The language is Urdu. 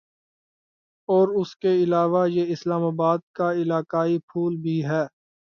اور اس کے علاوہ یہ اسلام آباد کا علاقائی پھول بھی ہے